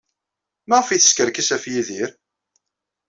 Maɣef ay teskerkis ɣef Yidir?